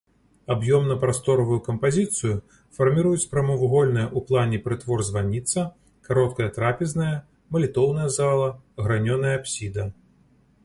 Аб'ёмна-прасторавую кампазіцыю фарміруюць прамавугольная ў плане прытвор-званіца, кароткая трапезная, малітоўная зала, гранёная апсіда.